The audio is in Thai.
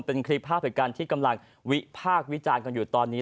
เป็นคลิปภาพเหตุการณ์ที่กำลังวิพากษ์วิจารณ์กันอยู่ตอนนี้